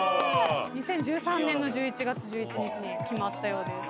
２０１３年の１１月１１日に決まったようです。